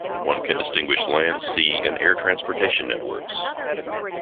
One can distinguish land, sea and air transportation networks.